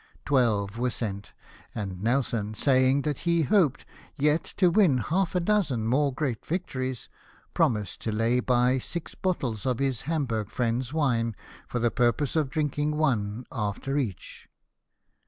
Twelve were sent ; and Nelson, saying that he hoped yet to win half a dozen more great victories, promised to lay by six bottles of his Hamburg friend's wine for the purpose of drinking one after each.